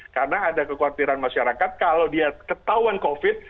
karena ada kekhawatiran masyarakat kalau dia ketahuan covid